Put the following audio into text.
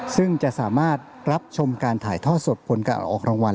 ซึ่งจะสามารถรับชมการถ่ายทอดสดผลการออกรางวัล